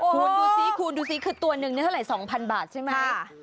คุณดูสิคุณดูสิคือตัวหนึ่งเท่าไหร่๒๐๐บาทใช่ไหม